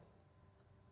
tapi mereka tidak